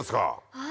はい。